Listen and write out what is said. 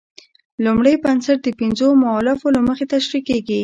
لومړی بنسټ د پنځو مولفو له مخې تشرېح کیږي.